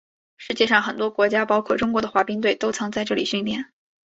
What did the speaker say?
世界上很多国家包括中国的滑冰队都曾在这里训练。